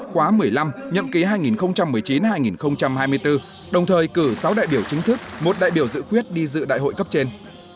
khóa một mươi năm nhậm ký hai nghìn một mươi chín hai nghìn hai mươi bốn đồng thời cử sáu đại biểu chính thức một đại biểu dự khuyết đi dự đại hội cấp trên